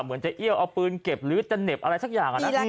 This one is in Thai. เหมือนจะเอี้ยวเอาปืนเก็บหรือจะเหน็บอะไรสักอย่าง